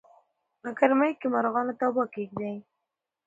په ګرمۍ کې مارغانو ته اوبه کېږدئ.